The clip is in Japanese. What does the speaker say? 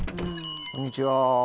こんにちは。